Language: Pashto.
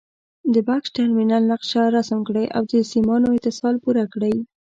د بکس ټرمینل نقشه رسم کړئ او د سیمانو اتصال پوره کړئ.